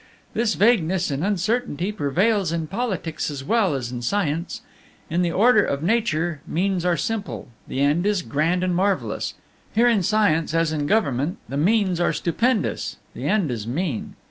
"This vagueness and uncertainty prevails in politics as well as in science. In the order of nature means are simple, the end is grand and marvelous; here in science as in government, the means are stupendous, the end is mean.